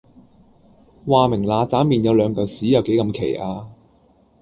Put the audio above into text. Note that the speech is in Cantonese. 話明嗱喳麵有兩嚿屎有幾咁奇呀？